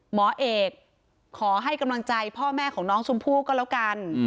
หมอเอกขอให้กำลังใจพ่อแม่ของน้องชมพู่ก็แล้วกัน